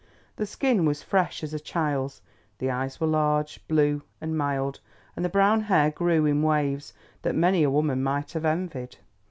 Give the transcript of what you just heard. The skin was fresh as a child's, the eyes were large, blue, and mild, and the brown hair grew in waves that many a woman might have envied.